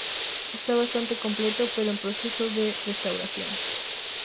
Está bastante completo, pero en proceso de restauración.